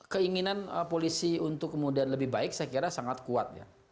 keinginan polisi untuk kemudian lebih baik saya kira sangat kuat ya